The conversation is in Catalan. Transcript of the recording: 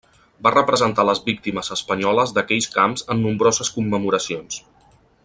Va representar les víctimes espanyoles d'aquells camps en nombroses commemoracions.